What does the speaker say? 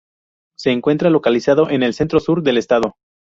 Se encuentra localizado en el centro-sur del estado.